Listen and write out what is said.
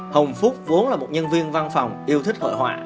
hồng phúc vốn là một nhân viên văn phòng yêu thích hội họa